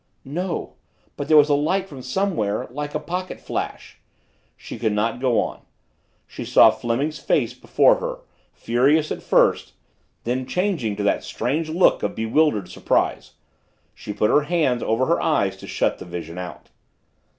"No but there was a light from somewhere like a pocket flash " She could not go on. She saw Fleming's face before her furious at first then changing to that strange look of bewildered surprise she put her hands over her eyes to shut the vision out.